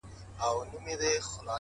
بیرته چي یې راوړې; هغه بل وي زما نه ;